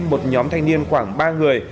một nhóm thanh niên khoảng ba người